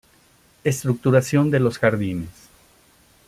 Estructuración de los jardines.